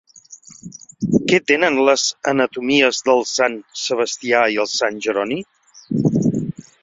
Què tenen les anatomies del Sant Sebastià i el Sant Jeroni?